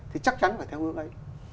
thì chắc chắn phải theo hướng ấy